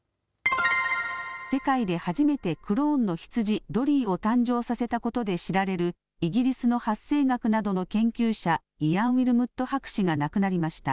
世界で初めてクローンの羊、ドリーを誕生させたことで知られるイギリスの発生学などの研究者、イアン・ウィルムット博士が亡くなりました。